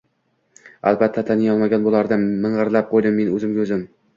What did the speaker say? Albatta, taniyolmagan boʻlardim, – mingʻirlab qoʻydim men oʻz oʻzimga.